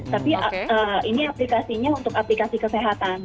tapi ini aplikasinya untuk aplikasi kesehatan